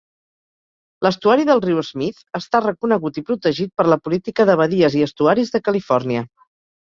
L'estuari del riu Smith està reconegut i protegit per la Política de Badies i Estuaris de Califòrnia.